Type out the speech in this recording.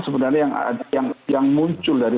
sebenarnya yang muncul dari